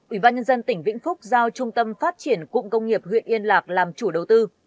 ủy ban nhân dân tỉnh vĩnh phúc giao trung tâm phát triển cụng công nghiệp huyện yên lạc làm chủ đầu tư